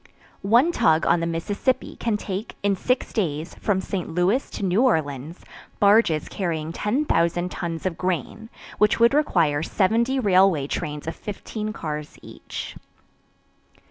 One tug on the Mississippi can take, in six days, from St. Louis to New Orleans, barges carrying 10,000 tons of grain, which would require 70 railway trains of fifteen cars each.